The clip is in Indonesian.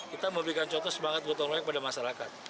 kita memberikan contoh semangat botol hand sanitizer pada masyarakat